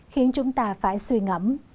khiến chúng ta phải suy ngẩm